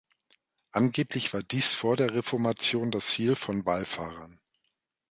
Angeblich war dies vor der Reformation das Ziel von Wallfahrern.